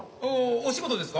お仕事ですか？